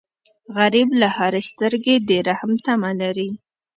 غریب له هرې سترګې د رحم تمه لري